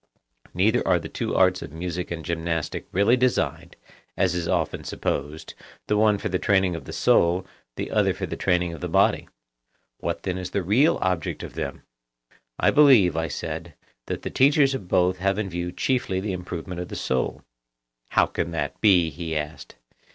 Neither are the two arts of music and gymnastic really designed, as is often supposed, the one for the training of the soul, the other for the training of the body. What then is the real object of them? I believe, I said, that the teachers of both have in view chiefly the improvement of the soul. How can that be? he asked.